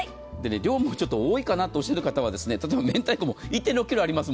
量も多いかなとおっしゃる方は、例えばめんたいこ、１．６ｋｇあります。